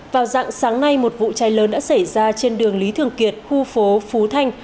vào dạng sáng nay một vụ cháy lớn đã xảy ra trên đường lý thường kiệt khu phố phú thanh